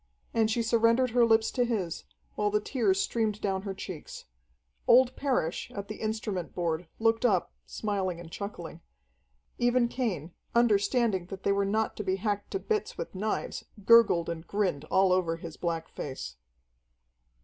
And she surrendered her lips to his, while the tears streamed down her checks. Old Parrish, at the instrument board, looked up, smiling and chuckling. Even Cain, understanding that they were not to be hacked to bits with knives, gurgled and grinned all over his black face.